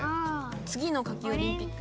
次の夏季オリンピック。